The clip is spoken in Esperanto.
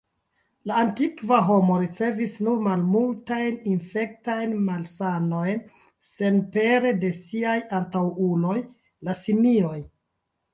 La antikva homo ricevis nur malmultajn infektajn malsanojn senpere de siaj antaŭuloj, la simioj.